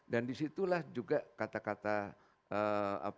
dan disitulah juga kata kata yang harus kita lakukan